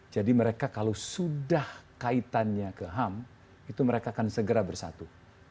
jadi mereka kalau sudah kaitannya ke ham itu mereka akan segera bersatu